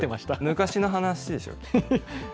昔の話でしょ？